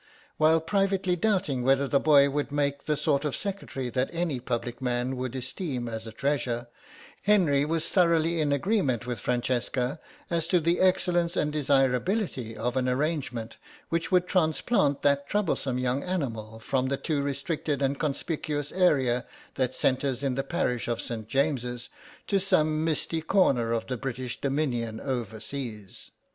While privately doubting whether the boy would make the sort of secretary that any public man would esteem as a treasure, Henry was thoroughly in agreement with Francesca as to the excellence and desirability of an arrangement which would transplant that troublesome' young animal from the too restricted and conspicuous area that centres in the parish of St. James's to some misty corner of the British dominion overseas.